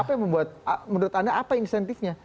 apa yang membuat menurut anda apa insentifnya